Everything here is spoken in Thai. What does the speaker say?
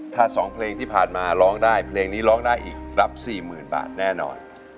ถ้า๒เพลงที่ผ่านมาร้องได้เพลงนี้ร้องได้อีกรับ๔๐๐๐บาทแน่นอน